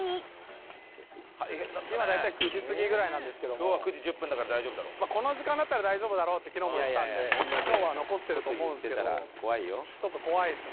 今大体９時すぎぐらいなんですけどもこの時間だったら大丈夫だろうって昨日も言ってたんで今日は残ってると思うんですけどちょっと怖いですね。